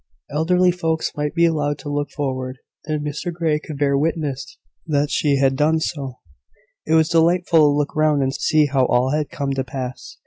Elderly folks might be allowed to look forward, and Mr Grey could bear witness that she had done so. It was delightful to look round and see how all had come to pass.